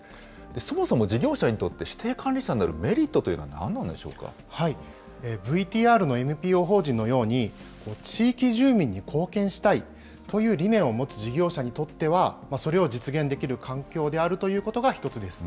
そもそも事業者にとって指定管理者になるメリットっていうのは何ＶＴＲのＮＰＯ法人のように、地域住民に貢献したいという理念を持つ事業者にとっては、それを実現できる環境であるということが１つです。